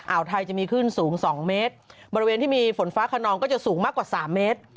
วไทยจะมีคลื่นสูง๒เมตรบริเวณที่มีฝนฟ้าขนองก็จะสูงมากกว่าสามเมตร